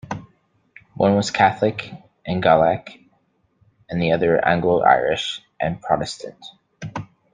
One was Catholic and Gaelic, the other Anglo-Irish and Protestant.